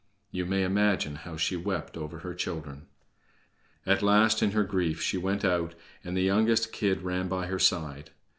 You may imagine how she wept over her children. At last, in her grief, she went out, and the youngest kid ran by her side.